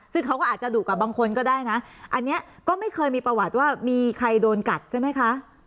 ซึ่งเขาก็อาจจะดุกับบางคนก็ได้นะอันนี้ก็ไม่เคยมีประวัติว่ามีใครโดนกัดใช่ไหมคะ